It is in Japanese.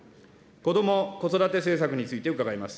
こども・子育て政策について伺います。